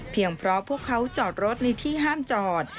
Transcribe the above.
เพราะพวกเขาจอดรถในที่ห้ามจอด